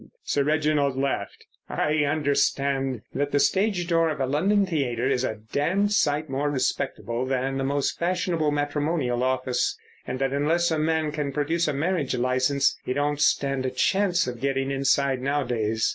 Sir Reginald laughed. "I understand that the stage door of a London theatre is a damned sight more respectable than the most fashionable matrimonial office, and that unless a man can produce a marriage licence he don't stand a chance of getting inside nowadays."